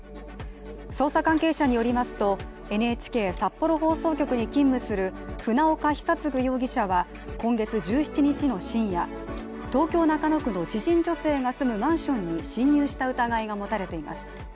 捜査関係者によりますと、ＮＨＫ札幌放送局に勤務する船岡久嗣容疑者は今月１７日の深夜、東京・中野区の知人女性が住むマンションに侵入した疑いが持たれています。